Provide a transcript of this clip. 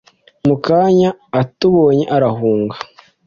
Mu kanya atubonye arahunga